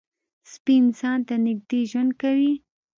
سپي انسان ته نږدې ژوند کوي.